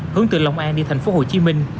hướng từ lòng an đi tp hcm